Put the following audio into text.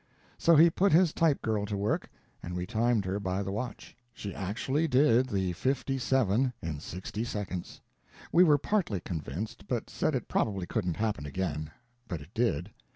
So he put his type girl to work, and we timed her by the watch. She actually did the fifty seven in sixty seconds. We were partly convinced, but said it probably couldn't happen again. But it did.